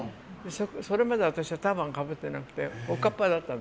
それまで私はターバンかぶってなくておかっぱだったの。